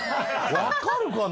わかるかな？